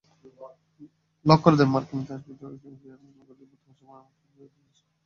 মার্কিন ইতিহাসবিদ ডরিস কিয়ার্ন গুডুইন বর্তমান সময়কে আমেরিকার গৃহযুদ্ধের সময়ের সঙ্গে তুলনা করেছেন।